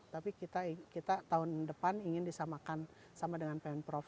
tapi kita tahun depan ingin disamakan sama dengan pemprov